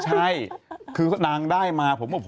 จะซื้อเหรียญยังไม่ให้เลย